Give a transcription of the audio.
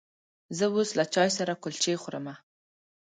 زه اوس له چای سره کلچې خورمه.